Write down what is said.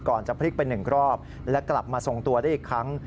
จะพลิกไป๑รอบและกลับมาทรงตัวได้อีกครั้ง